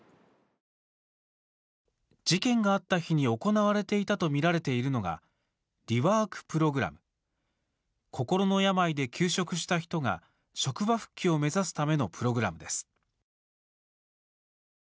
事件があった日に行われていたとみられているのがリワークプログラム心の病で休職した人が職場復帰を目指すためのプログラムです。